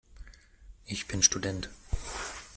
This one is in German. Ich bin Student.